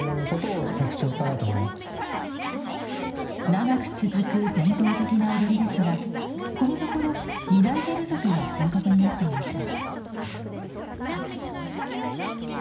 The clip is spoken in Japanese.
長く続く伝統的な踊りですがこのところ担い手不足が深刻になっていました。